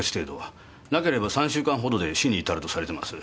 なければ３週間ほどで死に至るとされてます。